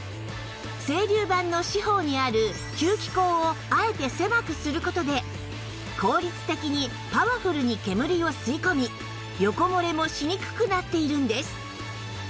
整流板の四方にある吸気口をあえて狭くする事で効率的にパワフルに煙を吸い込み横漏れもしにくくなっているんです